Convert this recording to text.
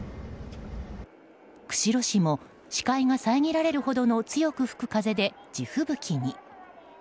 釧路市も、視界が遮られるほどの強く吹く風で地吹雪に。